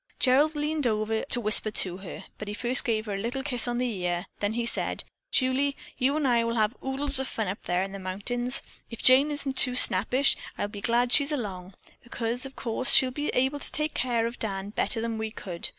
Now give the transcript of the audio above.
Gerald leaned over to whisper to her, but he first gave her a little kiss on the ear, then he said: "Julie, you'n I will have oodles of fun up there in the mountains. If Jane isn't too snappish, I'll be glad she's along, because, of course, she'll be able to take care of Dan better than we could."